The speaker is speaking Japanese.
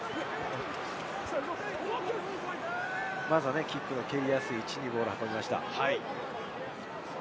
まずはキックを蹴りやすい位置にボールを運びました。